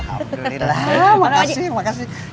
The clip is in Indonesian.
alhamdulillah makasih makasih